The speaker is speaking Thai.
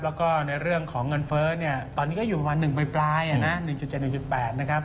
แล้วก็ในเรื่องของเงินเฟ้อเนี่ยตอนนี้ก็อยู่ประมาณ๑ปลาย๑๗๑๘นะครับ